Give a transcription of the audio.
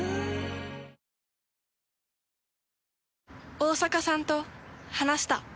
大坂さんと話した。